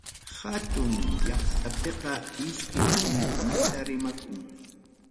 Hatun llaqtapiqa iskay simikunatam rimanku.